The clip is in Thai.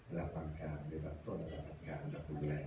ระบันการในต้นระบันการจากภูมิแรง